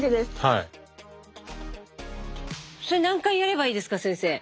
それ何回やればいいですか先生。